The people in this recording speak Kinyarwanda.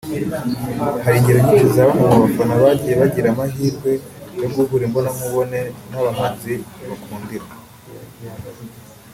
Hari ingero nyinshi za bamwe mu bafana bagiye bagira amahirwe yo guhura imbona nkubone n’abahanzi bakundira